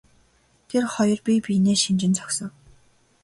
Тэр хоёр бие биенээ шинжин зогсов.